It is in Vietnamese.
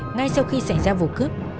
ngay sau khi xảy ra vụ cướp